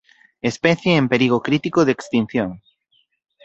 Especie en perigo crítico de extinción.